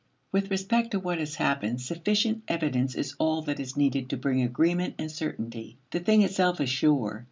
With respect to what has happened, sufficient evidence is all that is needed to bring agreement and certainty. The thing itself is sure.